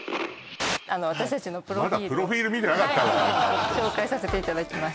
私たちのプロフィールをまだプロフィール見てなかったわ紹介させていただきます